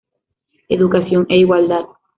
Educación e igualdad.